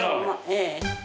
ええ。